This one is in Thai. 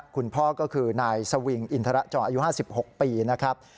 คุณพ่อก็คือนายสวิงอินทรจรอายุ๕๖ปีนะครับ